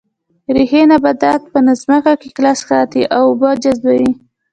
ریښې نبات په ځمکه کې کلک ساتي او اوبه جذبوي